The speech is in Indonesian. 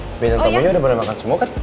fe bintang temunya udah boleh makan semua kan